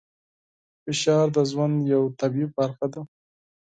فشار د ژوند یوه طبیعي برخه ده.